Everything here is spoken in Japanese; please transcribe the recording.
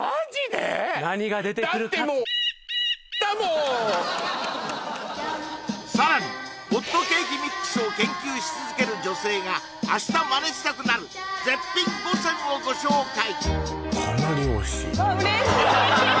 だってもう○○だもんさらにホットケーキミックスを研究し続ける女性が明日マネしたくなる絶品５選をご紹介